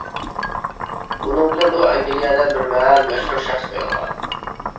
بۇنىڭ بىلەن ئۇ ئەنگلىيەدە بىر مەھەل مەشھۇر شەخسكە ئايلانغان.